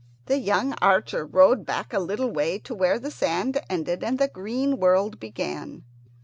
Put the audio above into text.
The young archer rode back a little way to where the sand ended and the green world began.